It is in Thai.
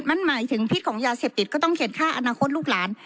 มันหมายถึงพิษของยาเสพติดก็ต้องเขียนค่าอนาคตลูกหลาน